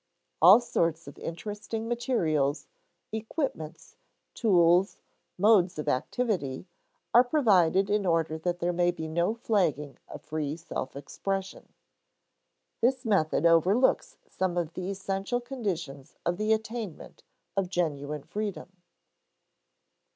All sorts of interesting materials, equipments, tools, modes of activity, are provided in order that there may be no flagging of free self expression. This method overlooks some of the essential conditions of the attainment of genuine freedom.